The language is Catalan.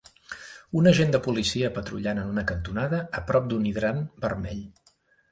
Un agent de policia patrullant en una cantonada a prop d'un hidrant vermell.